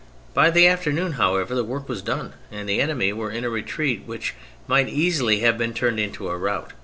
By the afternoon, however, the work was done, and the enemy were in a retreat which might easily have been turned into a rout.